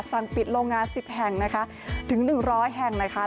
สั่งปิดโรงงาน๑๐แห่งนะคะถึง๑๐๐แห่งนะคะ